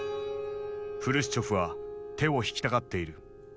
「フルシチョフは手を引きたがっている」。